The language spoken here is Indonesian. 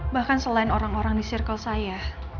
bahkan selain orang orang di circle saya